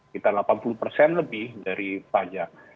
kita delapan puluh persen lebih dari pajak